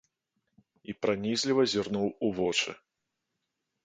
І пранізліва зірнуў у вочы.